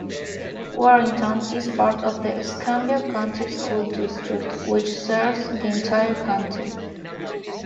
Warrington is part of the Escambia County School District, which serves the entire county.